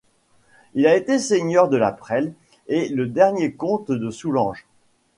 Il a été seigneur de la Preuille et le dernier comte de Soulanges.